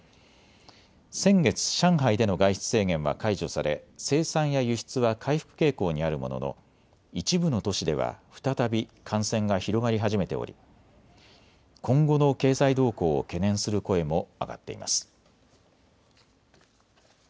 先月、上海での外出制限は解除され生産や輸出は回復傾向にあるものの一部の都市では再び感染が広がり始めており今後の経済動向を懸念する声も上がっています。